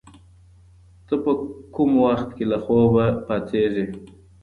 ته په کوم وخت کي له خوبه پاڅېږې؟